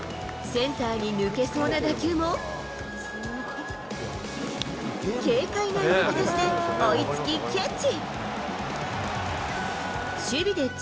センターに抜けそうな打球も、軽快な身のこなしで追いつき、キャッチ。